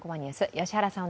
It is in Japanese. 良原さん